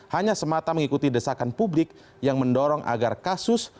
hanya semata mengikuti desakan publik yang mendorong agar kasus